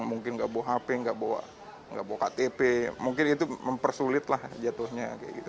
mungkin nggak bawa hp nggak bawa ktp mungkin itu mempersulitlah jatuhnya kayak gitu